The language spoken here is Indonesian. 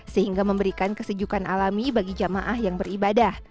sehingga memberikan kesejukan alami bagi jamaah yang beribadah